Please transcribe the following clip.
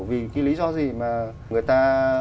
vì cái lý do gì mà người ta